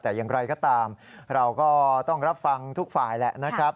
แต่อย่างไรก็ตามเราก็ต้องรับฟังทุกฝ่ายแหละนะครับ